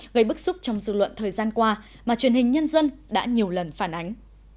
gây bức xúc trong dư luận thời gian qua mà truyền hình nhân dân đã nhiều lần phản ánh